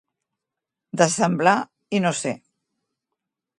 De semblar i no ser.